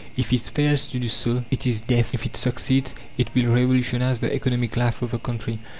If it fails to do so, it is death. If it succeeds, it will revolutionize the economic life of the country.